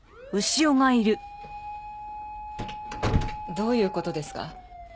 どういう事ですか？